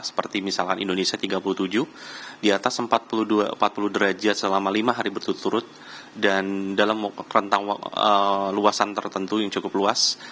seperti misalkan indonesia tiga puluh tujuh di atas empat puluh derajat selama lima hari berturut turut dan dalam rentang luasan tertentu yang cukup luas